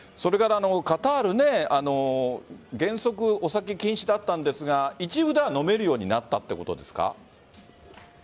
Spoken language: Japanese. カタール原則お酒禁止だったんですが一部では飲めるようになったということですか？